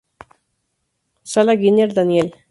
Sala Giner, Daniel.